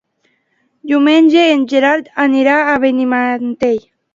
Diumenge en Gerard anirà a Benimantell.